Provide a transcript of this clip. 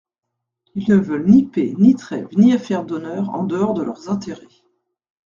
Ils ne veulent ni paix, ni trêve, ni affaires d'honneur en dehors de leurs intérêts.